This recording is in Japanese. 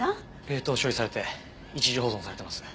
冷凍処理されて一時保存されてます。